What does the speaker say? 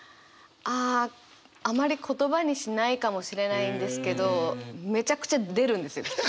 ああまり言葉にしないかもしれないんですけどめちゃくちゃ出るんですよきっと。